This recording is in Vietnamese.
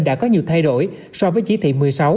đã có nhiều thay đổi so với chỉ thị một mươi sáu